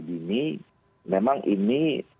dini memang ini